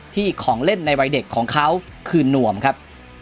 ของเล่นในวัยเด็กของเขาคือนวมครับ